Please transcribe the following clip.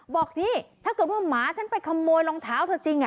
บอกนี่ถ้าเกิดว่าหมาฉันไปขโมยรองเท้าเธอจริง